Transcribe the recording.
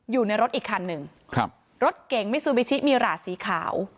อยู่ในรถอีกคันหนึ่งครับรถเก่งมิซูบิชิมีหลาสีขาว